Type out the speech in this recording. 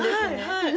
はいはい。